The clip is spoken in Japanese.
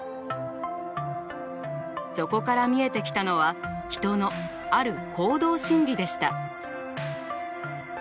そこから見えてきたのは人のある行動心理でした。